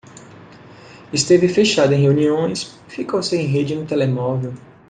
Esteve fechado em reuniões, ficou sem rede no telemóvel.